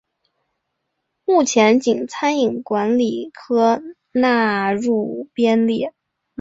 目前仅餐饮管理科纳入编列。